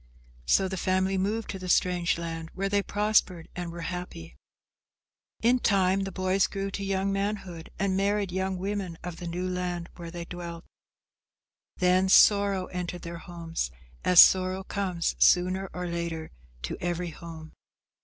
So the family moved to the strange land where they prospered and were happy. In time the boys grew to young manhood and married young women of the new land where they dwelt. Then sorrow entered their homes, as sorrow comes sooner or later to every home.